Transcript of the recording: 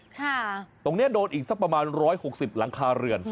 ค่ะตรงเนี้ยโดนอีกสักประมาณร้อยหกสิบหลังคาเรือน